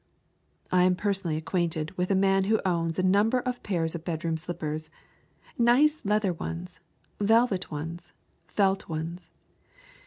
I am personally acquainted with a man who owns a number of pairs of bedroom slippers, nice leather ones, velvet ones, felt ones.